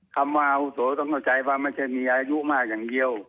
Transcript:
คำว่าอาวุโสต้องเข้าใจว่าไม่ใช่มีอายุมากอย่างเดียว